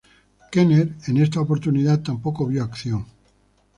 Kenner en esta oportunidad tampoco vio acción.